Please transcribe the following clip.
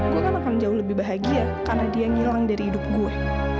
gue kan akan jauh lebih bahagia karena dia ngilang dari hidup gue